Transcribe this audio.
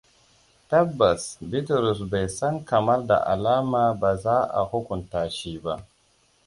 Tabbas Bitrus bai san kamar da alama ba za a hukunta shi ba.